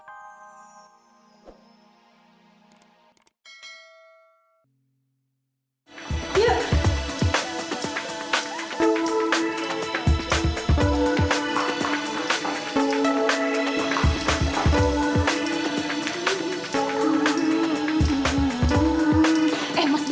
aduh ngasih apaan sih gambor